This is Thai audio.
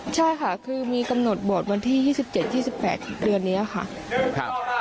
ใช่ค่ะคือมีกำหนดบวชวันที่๒๗๒๘เดือนนี้ค่ะ